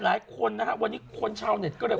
หลายคนนะฮะวันนี้คนชาวเน็ตก็เลย